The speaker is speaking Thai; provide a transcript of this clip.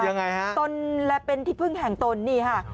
ยังไงฮะตนและเป็นที่พึ่งแห่งตนนี่ค่ะ